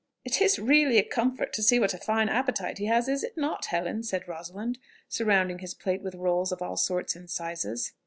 "It is really a comfort to see what a fine appetite he has! is it not, Helen?" said Rosalind, surrounding his plate with rolls of all sorts and sizes.